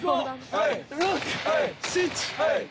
はい！